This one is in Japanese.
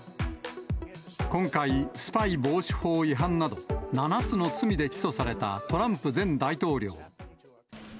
今回、スパイ防止法違反など、７つの罪で起訴されたトランプ前大統領。